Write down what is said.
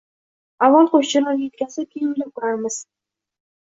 — Avval Qo’shchinorga yetkazib, keyin o’ylab ko’rarmiz.